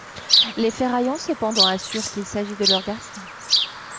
Les Ferraillon, cependant, assurent qu'il s'agit de leur garçon.